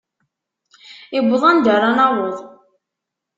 Iwweḍ anda ara naweḍ.